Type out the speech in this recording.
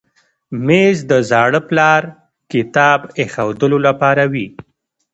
مېز د زاړه پلار کتاب ایښودلو لپاره وي.